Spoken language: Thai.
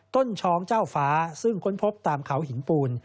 ช้องเจ้าฟ้าซึ่งค้นพบตามเขาหินปูน